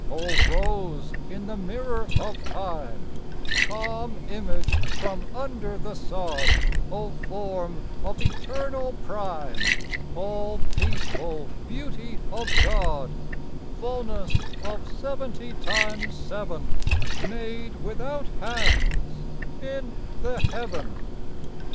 O rose in the mirror of time Calm image from under the sod O form of eternal prime, All peaceful beauty of God, Fulness of seventy times seven, Made without hands, in the heaven!